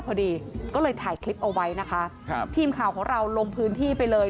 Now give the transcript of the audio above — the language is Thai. พอดีก็เลยถ่ายคลิปเอาไว้นะคะครับทีมข่าวของเราลงพื้นที่ไปเลย